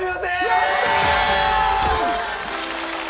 やった！